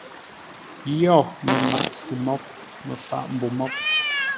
Yio məmaʼá-sê moghʼ, Məfaʼ mbô moghʼ.